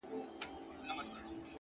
په تهمتونو کي بلا غمونو _